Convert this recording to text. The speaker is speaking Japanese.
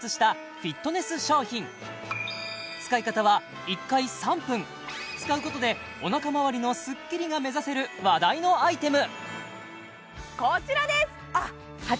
使い方は１回３分使うことでお腹周りのスッキリが目指せる話題のアイテム